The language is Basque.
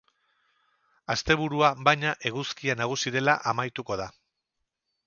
Asteburua, baina, eguzkia nagusi dela amaituko da.